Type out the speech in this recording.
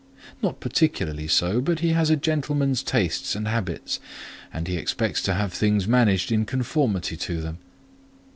"Not particularly so; but he has a gentleman's tastes and habits, and he expects to have things managed in conformity to them."